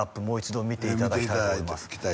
もう一度見ていただきたいと思います